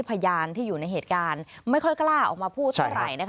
พยานที่อยู่ในเหตุการณ์ไม่ค่อยกล้าออกมาพูดเท่าไหร่นะคะ